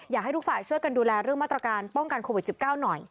อยากให้ทุกฝ่ายช่วยกันดูแลเรื่องมาตรการป้องกันโควิด๑๙หน่อย